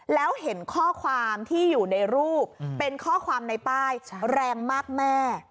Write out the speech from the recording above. แล้วเห็นข้อความที่อยู่ในรูปเป็นข้อความในป้ายแรงมากแม่